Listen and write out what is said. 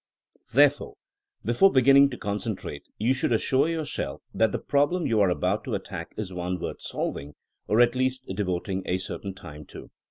Therefore before beginning to concentrate you should assure yourself that the problem you are about to attack is one worth solving, or at least devoting a certain time to.